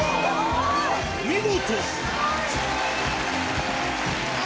お見事！